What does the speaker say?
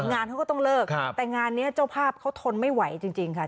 งานเขาก็ต้องเลิกแต่งานนี้เจ้าภาพเขาทนไม่ไหวจริงค่ะ